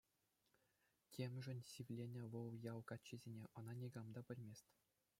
Темшӗн сивленӗ вӑл ял каччисене, ӑна никам та пӗлмест.